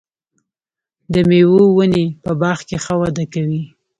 د مېوو ونې په باغ کې ښه وده کوي.